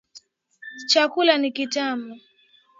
Chakula ni kitamu.